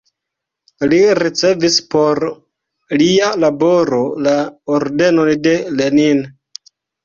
Li ricevis por lia laboro la Ordenon de Lenin.